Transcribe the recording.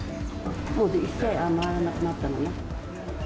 もう一切回らなくなったのね。